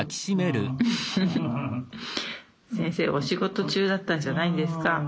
フフフ先生お仕事中だったんじゃないんですか？